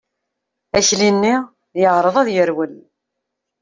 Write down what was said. Akli-nni yeεreḍ ad yerwel.